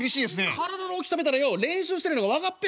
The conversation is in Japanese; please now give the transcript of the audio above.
「体の大きさ見たらよ練習してるのが分かっぺよ